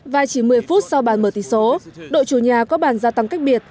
vài chỉ một mươi phút sau bản mở tỷ số đội chủ nhà có bản gia tăng cách biệt